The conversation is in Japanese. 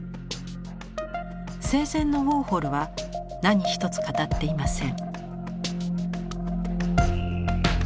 生前のウォーホルは何一つ語っていません。